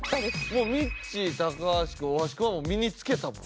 もうみっちー高橋くん大橋くんは身につけたもん。